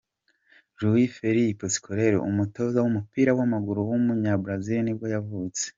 Luiz Felipe Scolari, umutoza w’umupira w’amaguru w’umunyabrazil nibwo yavutse.